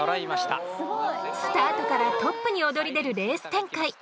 スタートからトップに躍り出るレース展開。